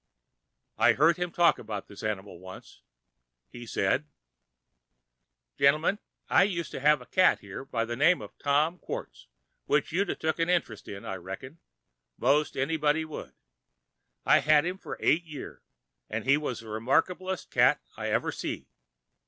I heard him talking about this animal once. He said: "Gentlemen, I used to have a cat here, by the name of Tom Quartz, which you'd 'a' took an interest in, I reckon—, most anybody would. I had him here eight year—and he was the remarkablest cat I ever see.